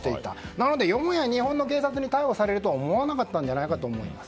なので、よもや日本の警察に逮捕されるとは思わなかったんじゃないかと思います。